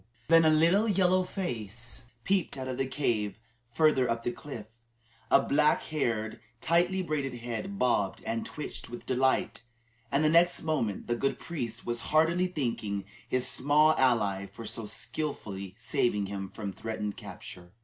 Then a little yellow face peeped out of a cave farther up the cliff, a black haired, tightly braided head bobbed and twitched with delight, and the next moment the good priest was heartily thanking his small ally for so skilfully saving him from threatened capture.